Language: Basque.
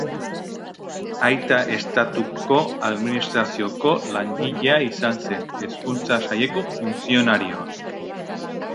Aita estatuko administrazioko langilea izan zen, hezkuntza saileko funtzionarioa.